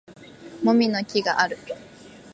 もみの木がある